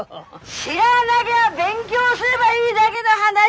知らなぎゃ勉強すればいいだげの話でしょ？